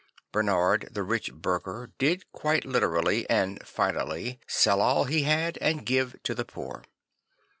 Bernard the rich burgher did quite literally and finally sell all he had and give to the poor.